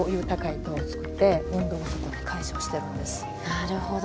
なるほど。